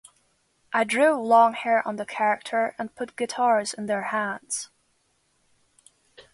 I drew long hair on the character and put guitars in their hands.